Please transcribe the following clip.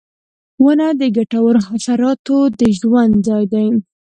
• ونه د ګټورو حشراتو د ژوند ځای دی.